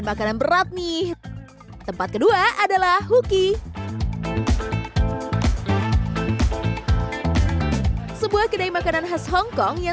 sampai jumpa di episode selanjutnya